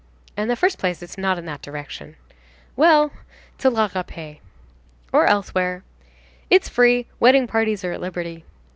"In the first place, it's not in that direction." "Well! to la Rapée." "Or elsewhere." "It's free. Wedding parties are at liberty."